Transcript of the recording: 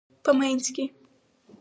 په مینځ کې